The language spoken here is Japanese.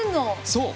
そう！